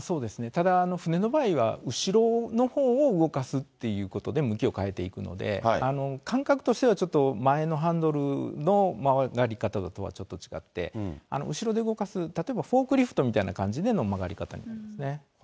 ただ船の場合は後ろのほうを動かすっていうことで、向きを変えていくので、感覚としては、ちょっと前のハンドルの曲がり方とはちょっと違って、後ろで動かす、例えばフォークリフトみたいな感じでの曲がり方になってますね。